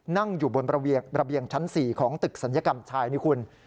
นั่งอยู่บนระเบียงชั้น๔ของตึกศัลยกรรมชายนี่คุณ